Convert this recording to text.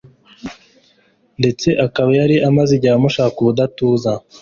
ndetse akaba yari amaze igihe amushaka ubudatuza